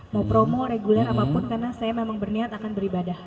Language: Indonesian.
mau promo reguler apapun karena saya memang berniat akan beribadah